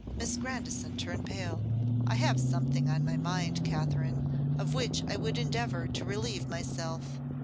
Miss Grandison turned pale. 'I have something on my mind, Katherine, of which I would endeavour to relieve myself.